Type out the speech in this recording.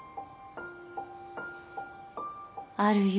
あるよ。